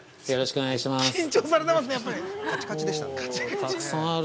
よろしくお願いします。